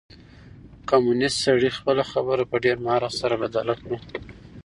کمونيسټ سړي خپله خبره په ډېر مهارت سره بدله کړه.